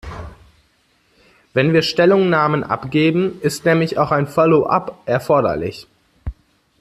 Wenn wir Stellungnahmen abgeben, ist nämlich auch ein Follow-up erforderlich.